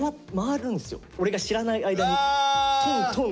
俺が知らない間にトントントンと。